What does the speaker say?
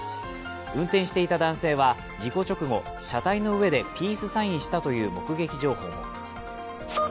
運転していた男性は事故直後、車体の上でピースサインしたという目撃情報も。